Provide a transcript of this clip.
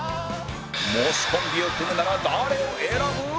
もしコンビを組むなら誰を選ぶ？